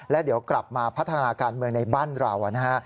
แล้วเดี๋ยวกลับมาพัฒนาการเมืองในบ้านเรานะฮะ